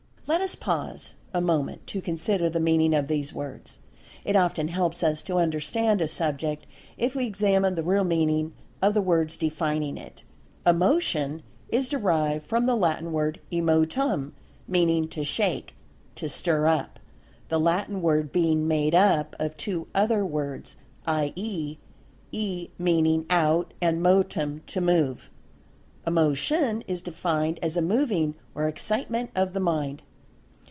Let us pause a moment to consider the[Pg 175] meaning of these words—it often helps us to understand a subject, if we examine the real meaning of the words defining it. "Emotion" is derived from the Latin word Emotum, meaning "to shake; to stir up"—the Latin word being made up of two other words, i.e., E, meaning "out"; and Motum, "to move." "Emotion" is defined as "a moving or excitement of the mind."